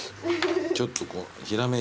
ちょっとこう。